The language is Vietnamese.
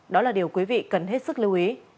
đó là điều quý vị cần hết sức lưu ý